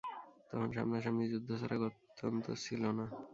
তখন সামনাসামনি যুদ্ধ ছাড়া গত্যন্তর ছিল না।